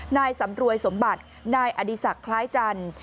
นายสำรวยสมบัตินายอดีศักดิ์คล้ายจันทร์